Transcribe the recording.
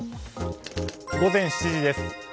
午前７時です。